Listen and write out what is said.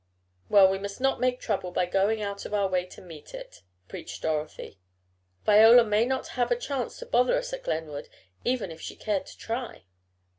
"Well, we must not make trouble by going out of our way to meet it," preached Dorothy. "Viola may not have a chance to bother us at Glenwood, even if she cared to try."